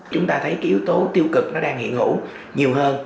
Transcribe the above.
chúng ta thấy cái yếu tố tiêu cực nó đang hiện hữu nhiều hơn